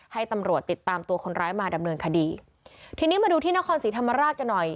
ให้ตำรวจติดตามตัวคนร้ายมาดำเนินคดีทีนี้มาดูที่นครศรีธรรมราชกันหน่อย